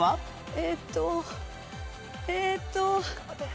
えっとえーっと。